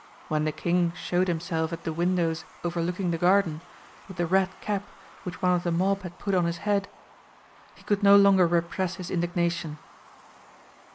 When the King showed himself at the windows overlooking the garden, with the red cap, which one of the mob had put on his head, he could no longer repress his indignation.